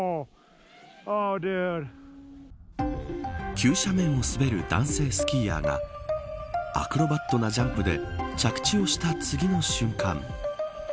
急斜面を滑る男性スキーヤーがアクロバットなジャンプで着地をした次の瞬間。